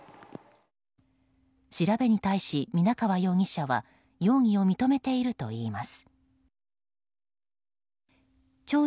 調べに対し、皆川容疑者は容疑を認めているといいます。